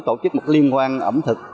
tổ chức một liên quan ẩm thực